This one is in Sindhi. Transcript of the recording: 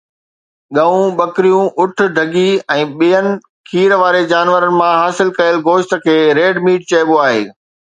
ڳئون، ٻڪريون، اُٺ، ڍڳي ۽ ٻين کير واري جانورن مان حاصل ڪيل گوشت کي ريڊ ميٽ چئبو آهي.